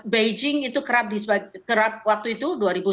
beijing itu kerap di sebagian terat waktu itu